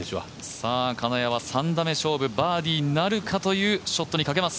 金谷は３打目勝負、バーディーになるかという勝負にかけます。